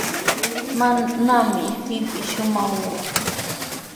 Manami pipis shuqamanku.